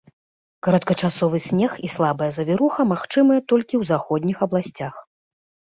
Кароткачасовы снег і слабая завіруха магчымыя толькі ў заходніх абласцях.